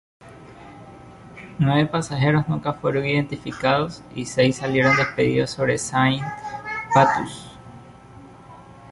Nueve pasajeros nunca fueron identificados y seis salieron despedidos sobre Saint-Pathus.